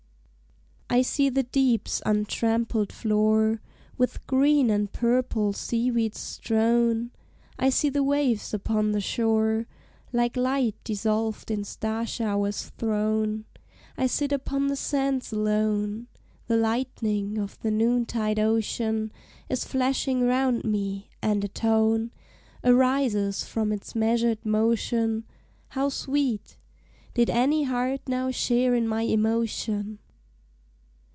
I see the Deep's untrampled floor With green and purple sea weeds strown; I see the waves upon the shore Like light dissolved in star showers thrown: I sit upon the sands alone; The lightning of the noontide ocean Is flashing round me, and a tone Arises from its measured motion, How sweet, did any heart now share in my emotion!